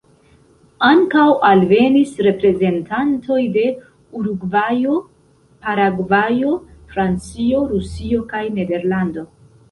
Ankaŭ alvenis reprezentantoj de Urugvajo, Paragvajo, Francio, Rusio kaj Nederlando.